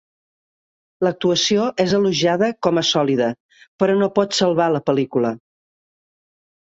L'actuació és elogiada com a sòlida, però no pot salvar la pel·lícula.